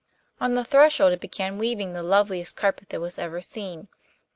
On the threshold it began weaving the loveliest carpet that was ever seen.